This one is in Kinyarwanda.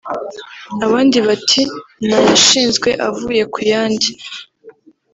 abandi bati ni ayashinzwe avuye ku yandi